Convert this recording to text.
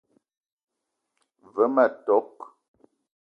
Ve ma tok :